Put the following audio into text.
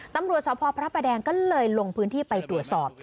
ตำรวจสพพระประแดงก็เลยลงพื้นที่ไปตรวจสอบ